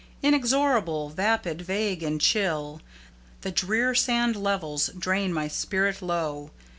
Inexorable, vapid, vague, and chill The drear sand levels drain my spirit low.